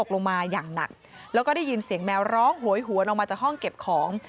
แล้วก็ได้ยินเสียงแมวร้องโหยหวนออกมาจากห้องเก็บของ